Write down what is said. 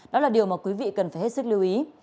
đó là điều mà quý vị cần phải hết sức lưu ý